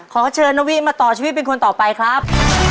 ขอเชิญนาวิมาต่อชีวิตเป็นคนต่อไปครับ